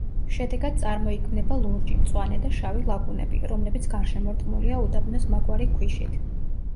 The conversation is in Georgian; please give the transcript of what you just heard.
შედეგად წარმოიქმნება ლურჯი, მწვანე და შავი ლაგუნები, რომლებიც გარშემორტყმულია უდაბნოს მაგვარი ქვიშით.